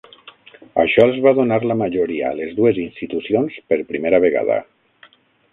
Això els va donar la majoria a les dues institucions per primera vegada.